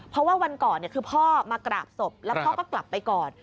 เพราะว่าวันก่อนคือพ่อมากราบศพแล้วพ่อก็กลับไปก่อน